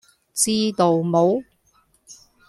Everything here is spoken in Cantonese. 知道冇?